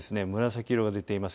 紫色、でています。